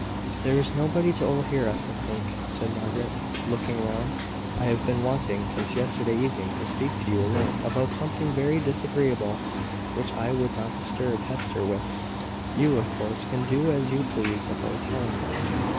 "There is nobody to overhear us, I think," said Margaret, looking round. "I have been wanting, since yesterday evening, to speak to you alone about something very disagreeable, which I would not disturb Hester with. You, of course, can do as you please about telling her."